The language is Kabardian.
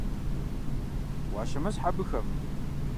Уащымысхь абыхэм.